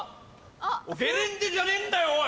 ゲレンデじゃねえんだよおい！